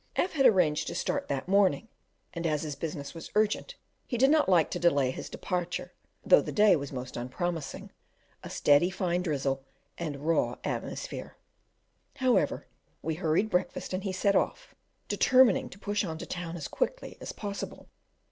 F had arranged to start that morning, and as his business was urgent, he did not like to delay his departure, though the day was most unpromising, a steady, fine drizzle, and raw atmosphere; however, we hurried breakfast, and he set off, determining to push on to town as quickly as possible.